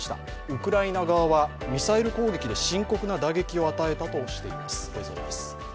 ウクライナ側はミサイル攻撃で深刻な打撃を与えたとしています。